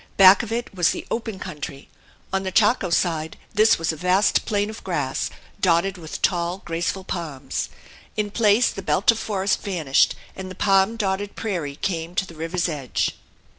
Back of it was the open country; on the Chaco side this was a vast plain of grass, dotted with tall, graceful palms. In places the belt of forest vanished and the palm dotted prairie came to the river's edge.